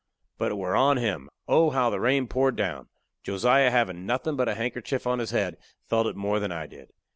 But it were on him. Oh, how the rain poured down! Josiah, havin' nothin' but a handkerchief on his head, felt it more than I did.